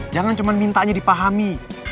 jangan cuma mintanya dipahami